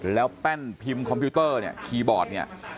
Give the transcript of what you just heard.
แล้วแป้นพิมพ์คอมพิวเตอร์เนี่ยคีย์บอร์ดเนี่ย